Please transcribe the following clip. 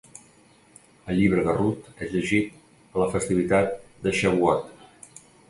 El llibre de Rut és llegit a la festivitat de Xavuot.